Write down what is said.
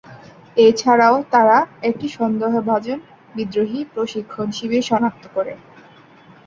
এছাড়াও তারা একটি সন্দেহভাজন বিদ্রোহী প্রশিক্ষণ শিবির শনাক্ত করে।